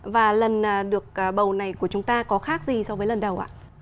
và lần được bầu này của chúng ta có khác gì so với lần đầu ạ